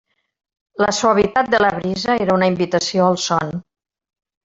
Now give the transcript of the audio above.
La suavitat de la brisa era una invitació al son.